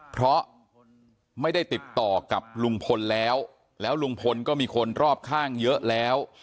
เพราะไม่ได้ติดต่อกับลุงพลแล้วแล้วลุงพลก็มีคนรอบข้างเยอะแล้ว